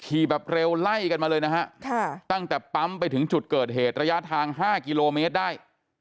แบบเร็วไล่กันมาเลยนะฮะตั้งแต่ปั๊มไปถึงจุดเกิดเหตุระยะทาง๕กิโลเมตรได้